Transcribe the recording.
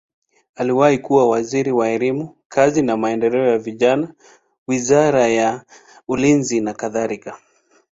Aliwahi kuwa waziri wa elimu, kazi na maendeleo ya vijana, wizara ya ulinzi nakadhalika.